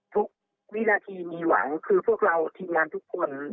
วินาทีมีหวังคือพวกเราทีมงานทุกคน